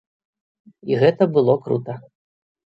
І гэта было крута.